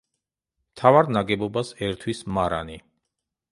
მთავარ ნაგებობას ერთვის მარანი.